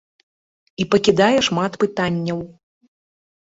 І пакідае шмат пытанняў.